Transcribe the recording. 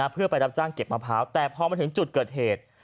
เพื่อไปรับจ้างเก็บมะพร้าวแต่พอมาถึงจุดเกิดเหตุ